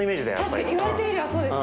確かに言われてみればそうですね。